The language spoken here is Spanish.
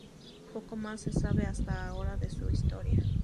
Poco más se sabe hasta ahora de su historia.